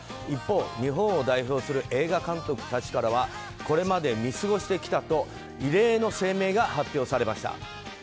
一方、日本を代表する映画監督たちからはこれまで見過ごしてきたと異例の声明が発表されました。